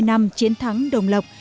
năm mươi năm chiến thắng đồng lộc